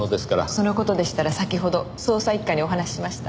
その事でしたら先ほど捜査一課にお話ししました。